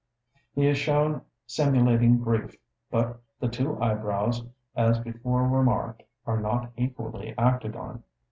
In fig. 2 he is shown simulating grief, but the two eyebrows, as before remarked, are not equally acted on.